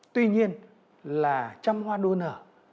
tuy nhiên là trăm hoa đô nở